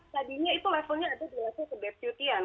tadinya itu levelnya ada di level kedeputian